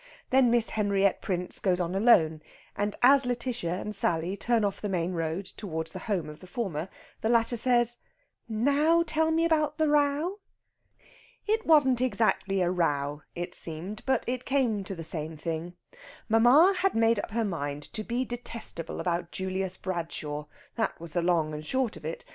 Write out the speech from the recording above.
Then Miss Henriette Prince goes on alone, and as Lætitia and Sally turn off the main road towards the home of the former, the latter says: "Now tell me about the row." It wasn't exactly a row, it seemed; but it came to the same thing. Mamma had made up her mind to be detestable about Julius Bradshaw that was the long and short of it.